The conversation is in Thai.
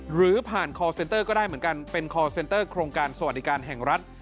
หรือผ่านคอร์เซนเตอร์ก็ได้เหมือนกันเป็นคอร์เซ็นเตอร์โครงการสวัสดิการแห่งรัฐ